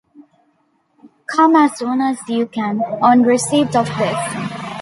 Come as soon as you can on receipt of this.